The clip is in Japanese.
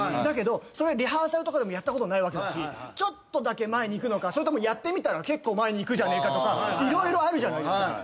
だけどそれはリハーサルとかでもやったことないわけですしちょっとだけ前にいくのかそれともやってみたら結構前にいくじゃねえかとか色々あるじゃないですか。